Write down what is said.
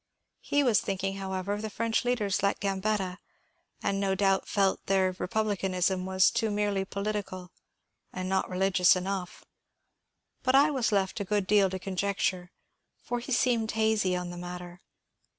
He was thinking, however, of the French leaders like Gambetta, and no doubt felt that their republicanism was too merely political and not religious enough. But I was left a good deal to conjecture, for he seemed hazy on the matter.